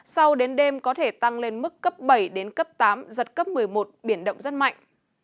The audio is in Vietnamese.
sau đến đêm có thể tăng lên mức cấp bảy đến cấp tám giật cấp một mươi một biển động rất mạnh